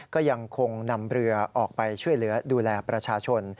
ก็ยังคงนำเรือออกไปช่วยเหลือดูแลประชาชน